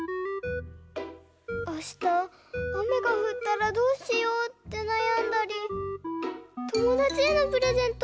あしたあめがふったらどうしようってなやんだりともだちへのプレゼント